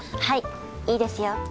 はいいいですよ。